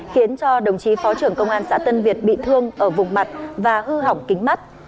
khiến cho đồng chí phó trưởng công an xã tân việt bị thương ở vùng mặt và hư hỏng kính mắt